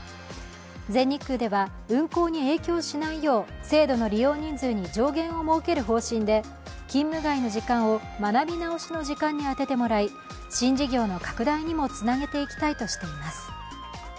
全日空では運航に影響しないよう制度の利用人数に上限を設ける方針で勤務外の時間を学び直しの時間に充ててもらい新事業の拡大にもつなげていきたいとしています。